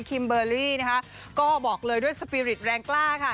คิมเบอร์รี่นะคะก็บอกเลยด้วยสปีริตแรงกล้าค่ะ